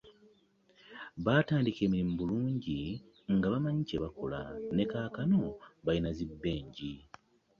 Baatandika emirimu bulungi nga bamanyi kye bakola ne kaakano balina zi Bengi.